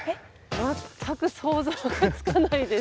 全く想像がつかないです。